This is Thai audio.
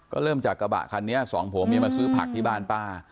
ก็เริ่มจากกระบะคันนี้สองผัวเมียมาซื้อผักที่บ้านป้า